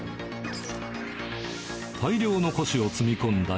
大量の古紙を積み込んだ